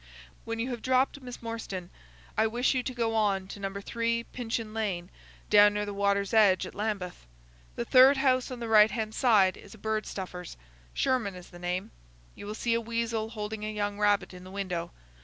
When you have dropped Miss Morstan I wish you to go on to No. 3, Pinchin Lane, down near the water's edge at Lambeth. The third house on the right hand side is a bird stuffer's: Sherman is the name. You will see a weasel holding a young rabbit in the window.